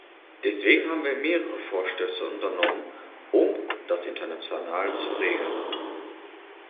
Deswegen haben wir mehrere Vorstöße unternommen, um das international zu regeln.